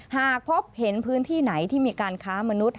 หากพบเห็นพื้นที่ไหนที่มีการค้ามนุษย